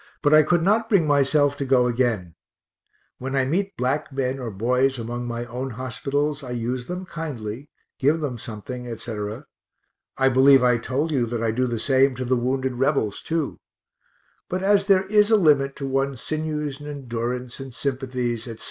but I could not bring myself to go again when I meet black men or boys among my own hospitals, I use them kindly, give them something, etc. I believe I told you that I do the same to the wounded Rebels, too but as there is a limit to one's sinews and endurance and sympathies, etc.